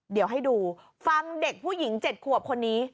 เดี๋ยวให้ดูฟังเด็กผู้หญิง๗ขวบคนนี้